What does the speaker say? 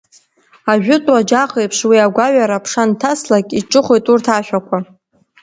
Ажәытә уаџьаҟ еиԥш, уи агәаҩара аԥша анҭаслак, иҿыхоит урҭ ашәақәа…